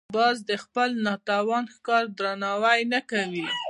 باز د خپل ناتوان ښکار درناوی نه کوي